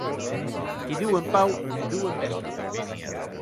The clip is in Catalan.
Qui viu en pau, viu en bèstia.